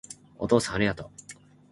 お父さんありがとう